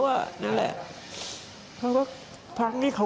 พักนี้เขากลับมาบ้านทุกวัน